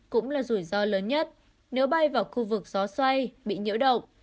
cũng là rủi ro lớn nhất nếu bay vào khu vực gió xoay bị nhiễu động